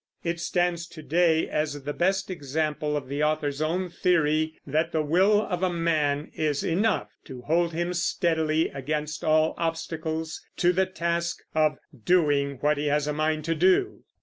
It stands to day as the best example of the author's own theory that the will of a man is enough to hold him steadily, against all obstacles, to the task of "doing what he has a mind to do."